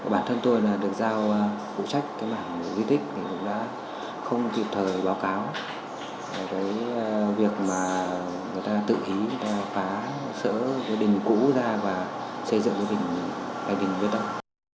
bản thân tôi là được giao phụ trách cái mảng di tích thì cũng đã không kịp thời báo cáo về cái việc mà người ta tự hí người ta phá sở đình cũ ra và xây dựng cho đình việt nam